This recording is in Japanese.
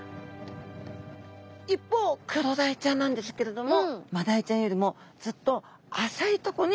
一方クロダイちゃんなんですけれどもマダイちゃんよりもずっと浅いとこに暮らしてるんですね。